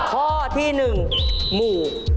ข้อที่๑หมู่